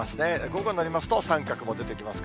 午後になりますと三角も出てきます。